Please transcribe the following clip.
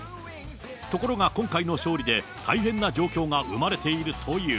ところが今回の勝利で、大変な状況が生まれているという。